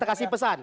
kita kasih pesan